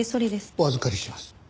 お預かりします。